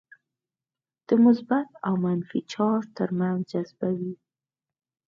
د مثبت او منفي چارج ترمنځ جذبه وي.